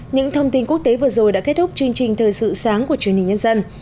những thông tin quốc tế vừa rồi đã kết thúc chương trình thời sự sáng của truyền hình nhân dân